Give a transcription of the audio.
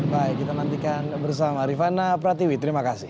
baik kita nantikan bersama rifana pratiwi terima kasih